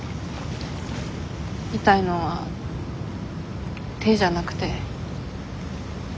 痛いのは手じゃなくて。